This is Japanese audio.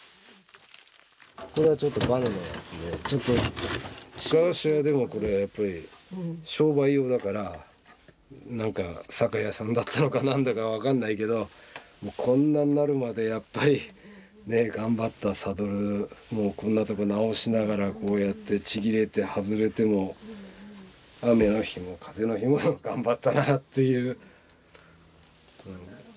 これはちょっとバネのやつで昔はでもこれやっぱり商売用だから酒屋さんだったのか何だか分かんないけどこんなになるまでやっぱりね頑張ったサドルこんなとこ直しながらこうやってちぎれて外れても雨の日も風の日も頑張ったなっていう。